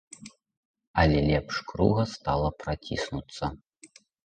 Але лепш круга стала праціснуцца.